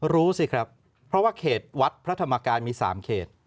รู้สิครับเพราะว่าเขตวัดพระธรรมกายมี๓เขต